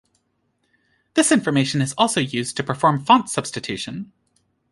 This information is also used to perform font substitution.